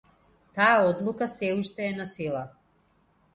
Таа одлука сѐ уште е на сила.